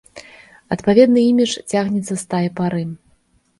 Адпаведны імідж цягнецца з тае пары.